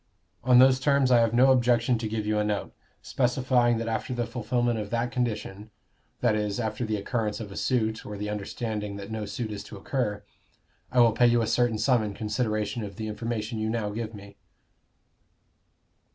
On those terms I have no objection to give you a note, specifying that after the fulfilment of that condition that is, after the occurrence of a suit, or the understanding that no suit is to occur I will pay you a certain sum in consideration of the information you now give me!"